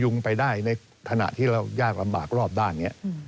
พยุงไปได้ในฐานะที่เรายากลำบากรอบบ้าง